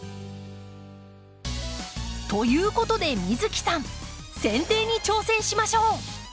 ということで美月さんせん定に挑戦しましょう！